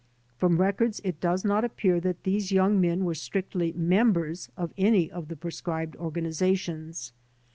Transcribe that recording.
From the records it does not appear that these young men were strictly members of any of the proscribed organizations.